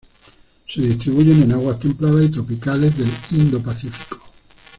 Se distribuyen en aguas templadas y tropicales del Indo-Pacífico.